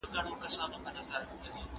زه اوږده وخت کتابتون پاکوم